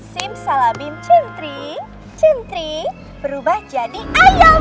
simsalabim centri centri berubah jadi ayam